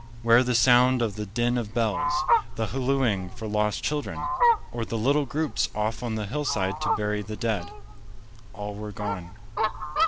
Where the sound of the din of bells? The hallooing for lost children? Or the little groups off on the hillside to bury the dead? All were gone.